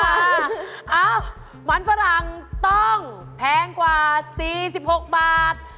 เอ้ามันฝรั่งต้องแพงกว่า๔๖บาท